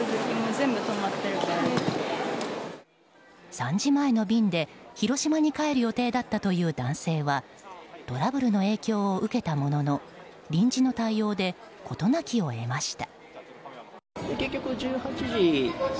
３時前の便で、広島に帰る予定だったという男性はトラブルの影響を受けたものの臨時の対応で事なきを得ました。